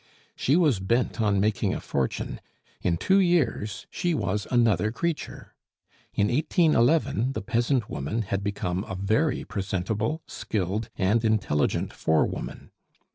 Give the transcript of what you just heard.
She was bent on making a fortune; in two years she was another creature. In 1811 the peasant woman had become a very presentable, skilled, and intelligent forewoman.